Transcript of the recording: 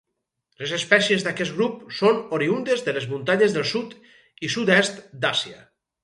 Les espècies d'aquest grup són oriündes de les muntanyes del sud i sud-est d'Àsia.